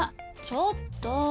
ちょっと。